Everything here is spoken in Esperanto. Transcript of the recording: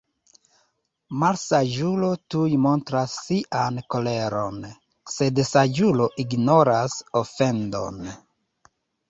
Malsaĝulo tuj montras sian koleron; Sed saĝulo ignoras ofendon.